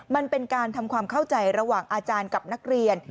มันเป็นการทำความเข้าใจระหว่างอาจารย์กับนักเรียน